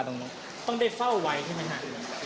นอนตรงนี้ตรงตรงไหน